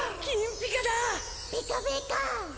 ピカピカ！